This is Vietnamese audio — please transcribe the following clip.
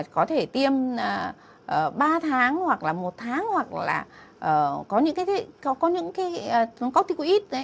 có thể tiêm ba tháng hoặc là một tháng hoặc là có những cái corticoid ấy